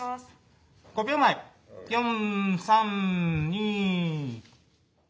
５秒前４３２。